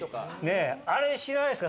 あれ知らないっすか？